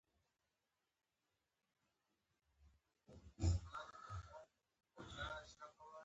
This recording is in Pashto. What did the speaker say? پیلوټ د انسانانو ژوند ته ارزښت ورکوي.